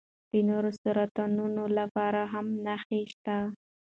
د نورو سرطانونو لپاره هم نښې شته.